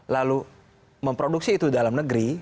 lalu memproduksi itu dalam negeri